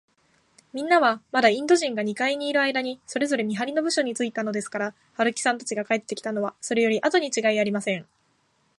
みんなは、まだインド人が二階にいるあいだに、それぞれ見はりの部署についたのですから、春木さんが帰ってきたのは、それよりあとにちがいありません。